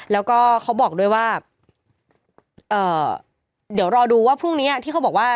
แล้วก็เขาบอกด้วยว่าเดี๋ยวรอดูว่าพรุ่งนี้ที่เขาบอกว่า